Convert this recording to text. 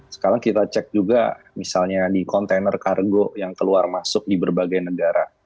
sekarang kita cek juga misalnya di kontainer kargo yang keluar masuk di berbagai negara